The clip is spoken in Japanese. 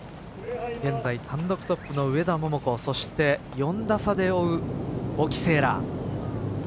現在単独トップの上田桃子そして４打差で追う沖せいら。